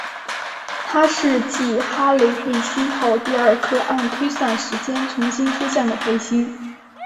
它是继哈雷彗星后第二颗按推算时间重新出现的彗星。